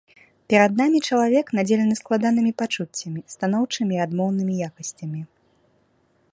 Перад намі чалавек, надзелены складанымі пачуццямі, станоўчымі і адмоўнымі якасцямі.